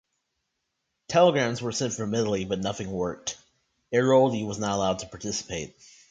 Telegrams were sent from Italy but nothing worked: Airoldi was not allowed to participate.